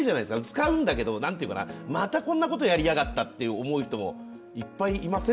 使うんだけど、またこんなことやりやがったと思う人もいっぱいいません？